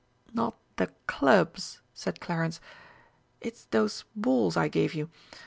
"Not the clubs," said Clarence; "it's those balls I gave you.